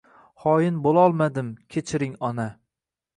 Hoin bulolmadim kechiring ona